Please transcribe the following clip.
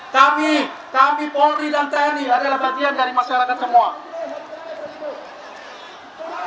kami kami polri dan tni adalah bagian dari masyarakat semua